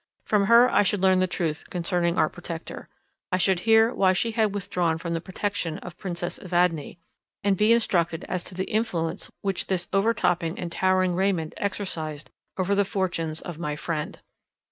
From her I should learn the truth concerning our protector; I should hear why she had withdrawn from the protection of the Princess Evadne, and be instructed as to the influence which this overtopping and towering Raymond exercised over the fortunes of my friend.